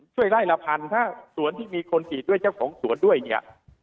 ช่วยไล่ละพันถ้าสวนที่มีคนฉีดด้วยเจ้าของสวนด้วยเนี่ย